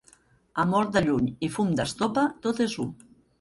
Amor de lluny i fum d'estopa, tot és u.